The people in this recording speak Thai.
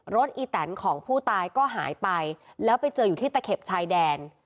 อีแตนของผู้ตายก็หายไปแล้วไปเจออยู่ที่ตะเข็บชายแดน